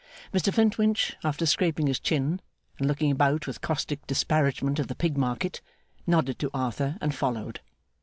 Mr Flintwinch, after scraping his chin, and looking about with caustic disparagement of the Pig Market, nodded to Arthur, and followed.